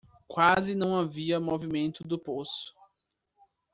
Quase não havia movimento do poço.